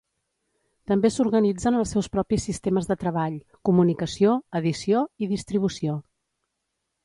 També s'organitzen els seus propis sistemes de treball, comunicació, edició i distribució.